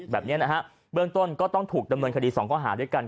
เบื้องต้นก็ต้องถูกดำเนินคดีสองข้อหารด้วยกัน